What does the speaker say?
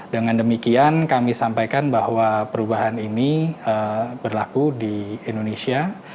dengan demikian kami sampaikan bahwa perubahan ini berlaku di indonesia